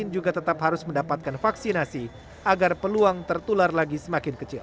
juga tetap harus mendapatkan vaksinasi agar peluang tertular lagi semakin kecil